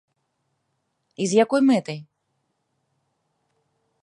І з якой мэтай?